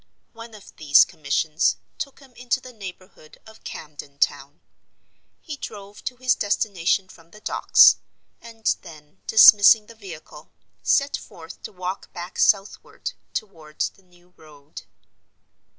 One of these commissions took him into the neighborhood of Camden Town. He drove to his destination from the Docks; and then, dismissing the vehicle, set forth to walk back southward, toward the New Road.